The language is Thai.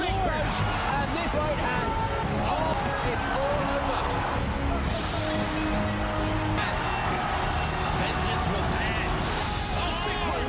โอ้แผ่นระเบิดร้ายสองมีการให้ความพร้อม